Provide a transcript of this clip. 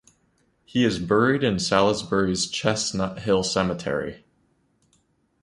He is buried in Salisbury's Chestnut Hill Cemetery.